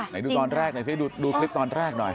ไหนดูตอนแรกหน่อยซิดูคลิปตอนแรกหน่อย